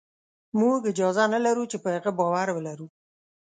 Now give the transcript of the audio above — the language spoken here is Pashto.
موږ اجازه نه لرو چې په هغه باور ولرو